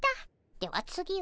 では次は。